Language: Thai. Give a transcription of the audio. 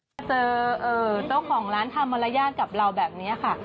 มาเจอเจ้าของร้านทำมารยาทกับเราแบบนี้ค่ะ